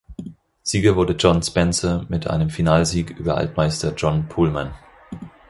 Sieger wurde John Spencer mit einem Finalsieg über Altmeister John Pulman.